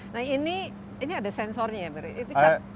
nah ini ada sensornya ya berarti